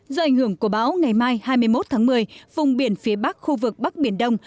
do ảnh hưởng của bão ngày mai hai mươi một tháng một mươi vùng biển phía bắc khu vực bắc biển đông